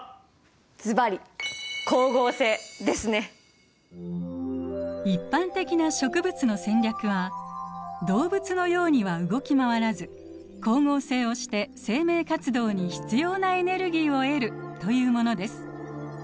ずばり一般的な植物の戦略は動物のようには動き回らず光合成をして生命活動に必要なエネルギーを得るというものです。